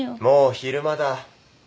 もう昼間だ。